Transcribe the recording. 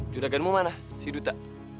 juraganmu mana si duta